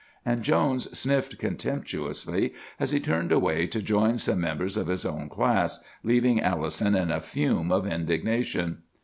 and Jones sniffed contemptuously as he turned away to join some members of his own class, leaving Allison in a fume of indignation.